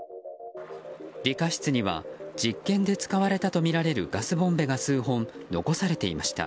理科室には、実験で使われたとみられるガスボンベが数本、残されていました。